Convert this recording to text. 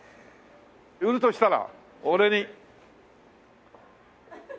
売るとしたら俺に。